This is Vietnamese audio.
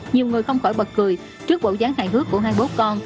nhiều người không khỏi bật cười trước bộ dáng hài hước của hai bố con